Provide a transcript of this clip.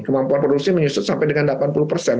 kemampuan produksi menyusut sampai dengan delapan puluh persen